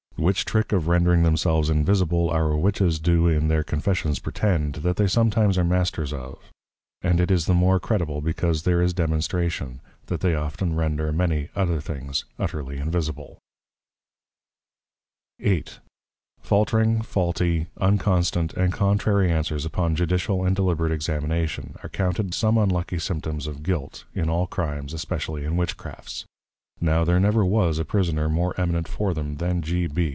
Which trick of rendring themselves Invisible, our Witches do in their Confessions pretend, that they sometimes are Masters of; and it is the more credible, because there is Demonstration, that they often render many other things utterly Invisible. VIII. Faltring, faulty, unconstant, and contrary Answers upon judicial and deliberate Examination, are counted some unlucky Symptoms of Guilt, in all Crimes, especially in Witchcrafts. Now there never was a Prisoner more eminent for them, than _G. B.